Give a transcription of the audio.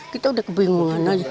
kita udah kebingungan aja